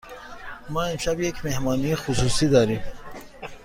ما امشب یک مهمانی خصوصی داریم.